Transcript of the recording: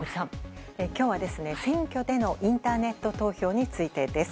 今日は選挙でのインターネット投票についてです。